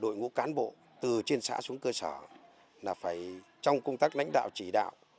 đội ngũ cán bộ từ trên xã xuống cơ sở là phải trong công tác lãnh đạo chỉ đạo